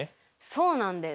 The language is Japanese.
そうなんです。